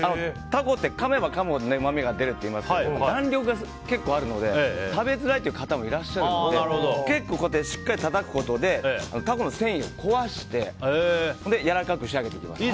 タコってかめばかむほどうまみが出るって言いますが弾力が結構あって食べづらいという方もいらっしゃるので結構、しっかりたたくことでタコの繊維を壊してやわらかく仕上げていきます。